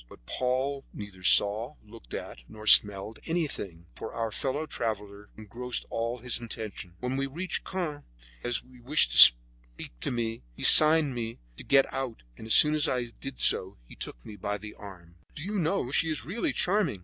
But Paul neither saw, looked at, nor smelled anything, for our fellow traveller engrossed all his attention. When we reached Cannes, as he wished to speak to me he signed to me to get out, and as soon as I did so, he took me by the arm. "Do you know, she is really charming.